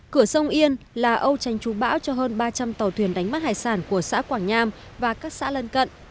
cửa sông yên là âu tranh trú bão cho hơn ba trăm linh tàu thuyền đánh mắt hải sản của xã quảng nham và các xã lân cận